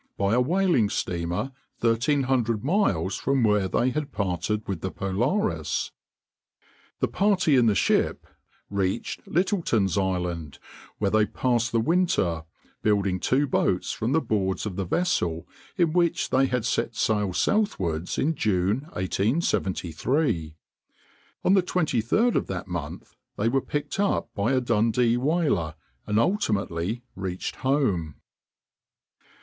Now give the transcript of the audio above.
by a whaling steamer 1,300 miles from where they had parted with the Polaris. The party in the ship reached Littleton's Island, where they passed the winter, building two boats from the boards of the vessel, in which they set sail southwards in June, 1873. On the 23d of that month they were picked up by a Dundee whaler, and ultimately reached home.